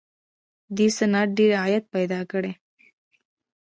دې صنعت ډېر عاید پیدا کړ